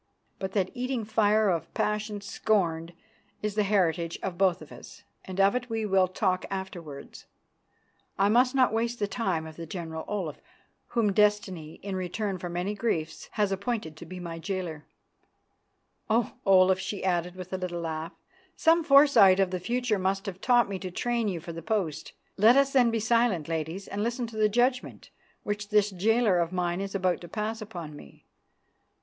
But that eating fire of passion scorned is the heritage of both of us, and of it we will talk afterwards. I must not waste the time of the General Olaf, whom destiny, in return for many griefs, has appointed to be my jailer. Oh! Olaf," she added with a little laugh, "some foresight of the future must have taught me to train you for the post. Let us then be silent, ladies, and listen to the judgment which this jailer of mine is about to pass upon me.